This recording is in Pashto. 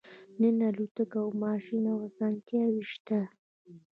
نن الوتکه او ماشین او اسانتیاوې شته